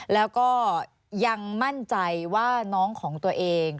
แล้วก็ยังมั่นใจว่าน้องของตัวเอง